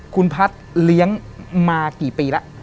คุณพัฒน์เลี้ยงมากี่ปีแล้ว